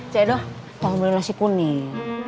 cedol mau beli nasi kuning